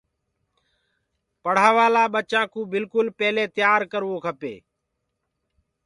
پڙهآوآ لآ ٻچآن ڪو بِلڪُل پيلي تيآ ڪروو ڪپي